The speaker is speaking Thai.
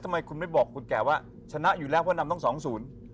ทำไมคุณไม่บอกคนแก่ว่าชนะอยู่แล้วเพราะนำต้องสองศูนย์